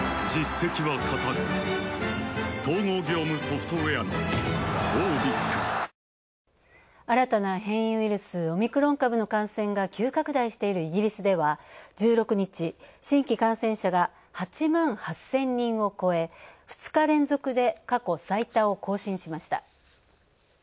ブロードウェイの一部中止や新たな変異ウイルス、オミクロン株の感染が急拡大しているイギリスでは１６日、新規感染者が８万８０００人を超え２日連続で過去最多を更新しました。